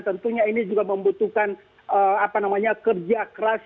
dan tentunya ini juga membutuhkan kerja keras